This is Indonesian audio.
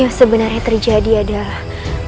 yang sebenarnya terjadi adalah